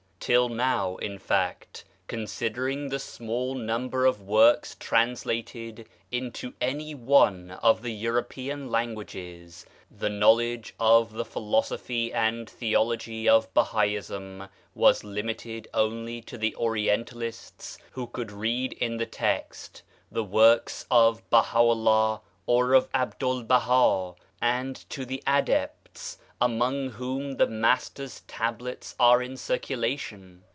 Till now, in fact, con sidering the small number of works translated into any one of the European languages, the knowledge of the philo sophy and theology of Bahaism was limited only to the Orientalists who could read in the text the works of Baha'u'llah or of 'Abdu'1 Baha, and to the adepts among whom the Master's Tablets are in circulation.